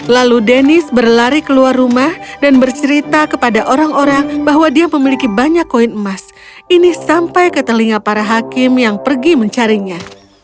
lalu dennis berlari keluar rumah dan bercerita kepada orang orang bahwa dia memiliki banyak koin emas ini sampai ke telinga para hakim yang pergi mencarinya